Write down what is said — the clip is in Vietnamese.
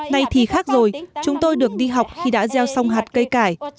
nay thì khác rồi chúng tôi được đi học khi đã gieo xong hạt cây cải